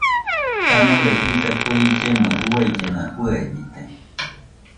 Janore jisa kue illemo uaillena fɨebite